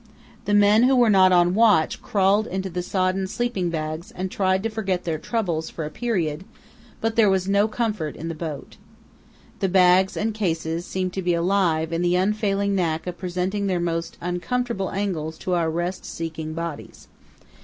The men who were not on watch crawled into the sodden sleeping bags and tried to forget their troubles for a period; but there was no comfort in the boat. The bags and cases seemed to be alive in the unfailing knack of presenting their most uncomfortable angles to our rest seeking bodies.